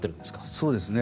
そうですね。